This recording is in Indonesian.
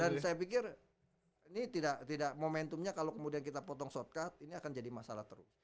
dan saya pikir ini tidak momentumnya kalau kemudian kita potong shortcut ini akan jadi masalah terus